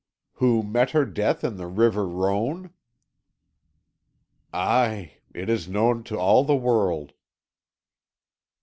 "Who met her death in the river Rhone?' "Aye it is known to all the world."